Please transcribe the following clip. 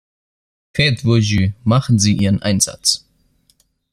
Faites vos jeux, machen Sie Ihren Einsatz!